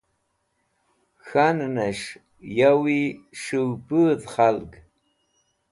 k̃hannẽs̃h yawi s̃hũ pũdh khalg.